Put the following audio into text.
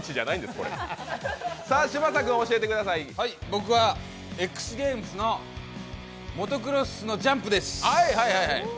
僕はＸＧａｍｅｓのモトクロスのジャンプです。